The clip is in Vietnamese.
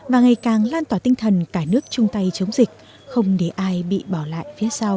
và ngày càng lan tỏa tinh thần cả nước chung tay chống dịch không để ai bị bỏ lại phía sau